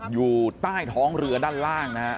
อยู่ใต้ท้องเรือด้านล่างนะฮะ